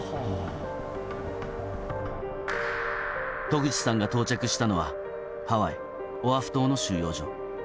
渡口さんが到着したのはハワイ・オアフ島の収容所。